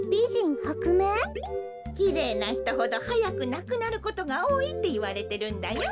きれいなひとほどはやくなくなることがおおいっていわれてるんだよ。